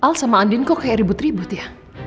kayak ribut ribut ya